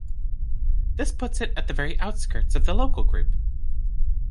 This puts it at the very outskirts of the Local Group.